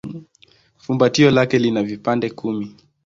Fumbatio lake lina vipande kumi.